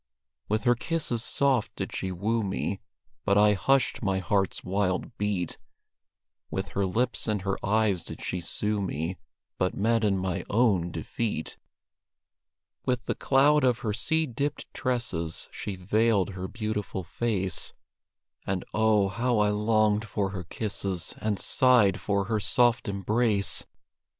With her kisses soft did she woo me, But I hushed my heart's wild beat; With her lips and her eyes did she sue me, But met in my own defeat. With the cloud of her sea dipped tresses She veiled her beautiful face And, oh, how I longed for her kisses, And sighed for her soft embrace!